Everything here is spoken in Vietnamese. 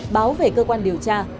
báo về cơ quan điều tra